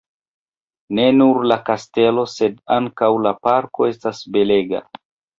Ne nur la kastelo, sed ankaŭ la parko estas belega.